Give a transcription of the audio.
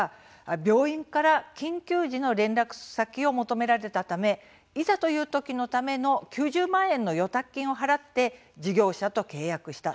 病院から緊急時の連絡先を求められたためいざという時のための９０万円に預託金を払って事業者と契約した。